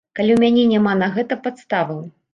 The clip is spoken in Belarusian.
Калі ў мяне няма на гэта падставаў.